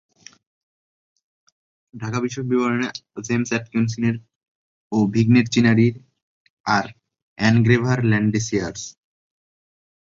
ঢাকা বিষয়ক বিবরণ জেমস অ্যাটকিনসনের ও ভিগনেট চিনারির, আর এনগ্রেভার ল্যান্ডসিয়ার।